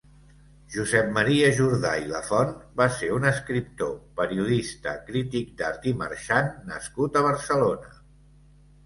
Josep Maria Jordà i Lafont va ser un escriptor, periodista, crític d'art i marxant nascut a Barcelona.